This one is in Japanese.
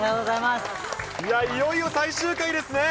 いよいよ最終回ですね。